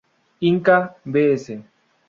Inca, Bs.